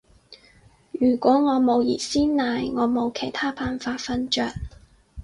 如果我冇熱鮮奶，我冇其他辦法瞓着